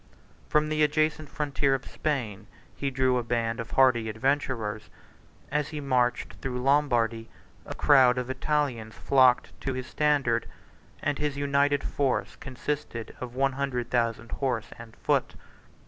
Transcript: From the adjacent frontier of Spain he drew a band of hardy adventurers; as he marched through Lombardy, a crowd of Italians flocked to his standard, and his united force consisted of one hundred thousand horse and foot.